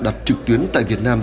đặt trực tuyến tại việt nam